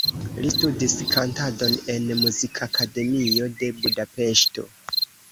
Li studis kantadon en Muzikakademio de Budapeŝto.